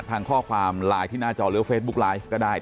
ทางข้อความไลน์ที่หน้าจอหรือเฟซบุ๊กไลฟ์ก็ได้